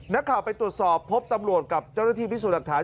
นักข่าวไปตรวจสอบพบตำรวจกับเจ้าหน้าที่พิสูจน์หลักฐาน